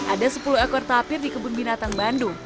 ada sepuluh ekor tapir di kebun binatang bandung